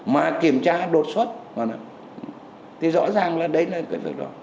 mà kiểm tra đột xuất thì rõ ràng là đấy là cái việc đó